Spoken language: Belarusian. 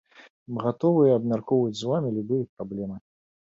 Мы гатовыя абмяркоўваць з вамі любыя праблемы.